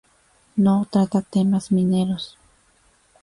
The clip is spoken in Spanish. No trata temas mineros.